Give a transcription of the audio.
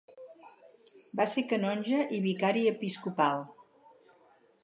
Va ser canonge i vicari episcopal.